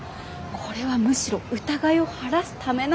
これはむしろ疑いを晴らすためなんだから。